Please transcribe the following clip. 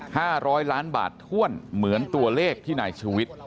ห้าร้อยล้านบาทถ้วนเหมือนตัวเลขที่นายชูวิทย์